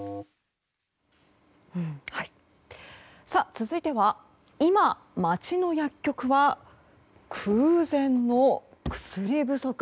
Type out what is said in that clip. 続いては今、街の薬局は空前の薬不足。